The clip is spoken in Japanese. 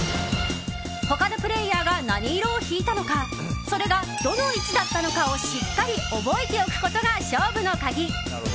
他のプレーヤーが何色を引いたのかそれがどの位置だったのかをしっかり覚えておくことが勝負の鍵！